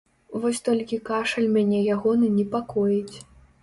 Вось толькі кашаль мяне ягоны непакоіць.